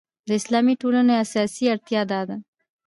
د اسلامي ټولنو اساسي اړتیا دا ده.